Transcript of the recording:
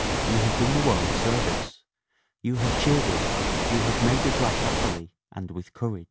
You have done the world a service. You have cheered us, you have made us laugh happily and with courage.'